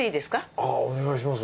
あぁお願いします。